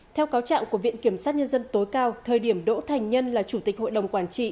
theo cáo trạng của viện kiểm sát nhân dân tối cao thời điểm đỗ thành nhân là chủ tịch hội đồng quản trị